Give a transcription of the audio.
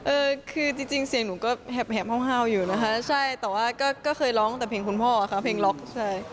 เออคือจริงเสียงหนูก็แหบเห่าอยู่นะคะใช่แต่ว่าก็เคยร้องแต่เพลงคุณพ่อค่ะเพลงล็อกใช่